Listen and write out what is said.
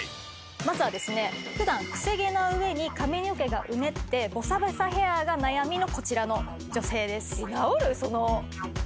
まずはですね普段クセ毛な上に髪の毛がうねってボサボサヘアが悩みのこちらの女性です。